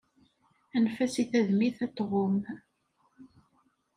Anef-as i tadimt ad tɣumm.